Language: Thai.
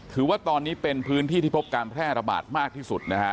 ถือว่าตอนนี้เป็นพื้นที่ที่พบการแพร่ระบาดมากที่สุดนะฮะ